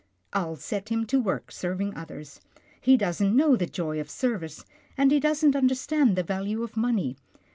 I'll set him to work serving others. He doesn't know the joy of service, and he doesn't understand the value of money.